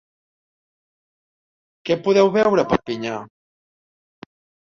Què podeu veure a Perpinyà?